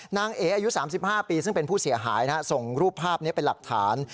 เอ๋อายุ๓๕ปีซึ่งเป็นผู้เสียหายส่งรูปภาพนี้เป็นหลักฐาน